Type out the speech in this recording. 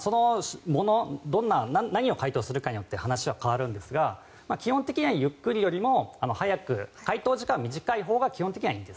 何を解凍するかによって話は変わるんですが基本的にはゆっくりよりも早く解凍時間が短いほうがそうなんだ。